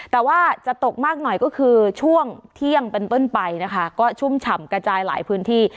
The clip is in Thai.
แต่ว่าจะตกมากหน่อยก็คือช่วงเที่ยงเป็นต้นไปนะคะก็ชุ่มฉ่ำกระจายหลายพื้นที่